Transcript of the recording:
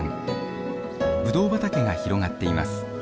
ブドウ畑が広がっています。